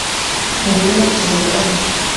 ngwino, tuvugane